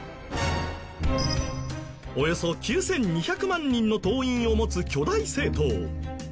およそ９２００万人の党員を持つ巨大政党。